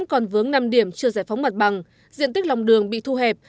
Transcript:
còn vướng năm điểm chưa giải phóng mặt bằng diện tích lòng đường bị thu hẹp